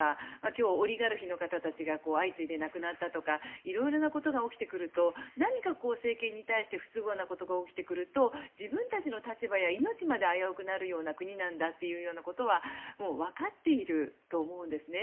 今日オリガルヒの方たちが相次いで亡くなったとかいろいろなことが起きてくると何か、政権に対して不都合なことが起きてくると自分たちの立場や命まで危うくなるような国なんだということはもう分かっていると思うんですね。